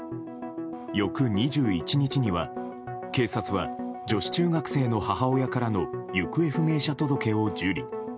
翌２１日には警察は女子中学生の母親からの行方不明者届を受理。